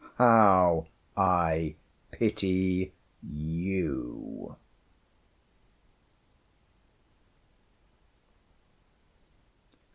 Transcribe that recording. How I pity you!